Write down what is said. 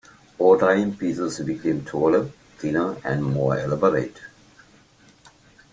Over time, pieces became taller, thinner, and more elaborate.